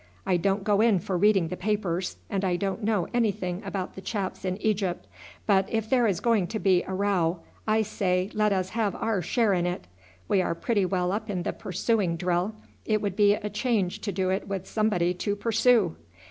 "I don't go in for reading the papers, and I don't know anything about the chaps in Egypt; but if there is going to be a row, I say let us have our share in it. We are pretty well up in the pursuing drill; it would be a change to do it with somebody to pursue.